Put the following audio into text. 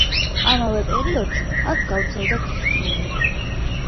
ამავე პერიოდში აქ გავრცელდა ქრისტიანობა.